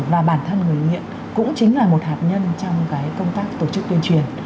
và bản thân người nghiện cũng chính là một hạt nhân trong công tác tổ chức tuyên truyền